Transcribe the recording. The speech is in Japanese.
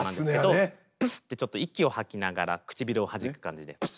「プスッ！」とちょっと息を吐きながら唇をはじく感じで。